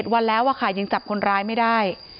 วันแล้วค่ะยังจับคนร้ายไม่ได้